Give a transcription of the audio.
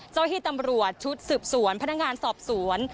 เจ้าที่ตำรวจชุดสืบสวนพนักงานสอบสวน